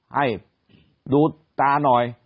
ให้ดูตาหน่อย